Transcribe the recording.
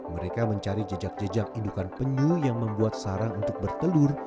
mereka mencari jejak jejak indukan penyu yang membuat sarang untuk bertelur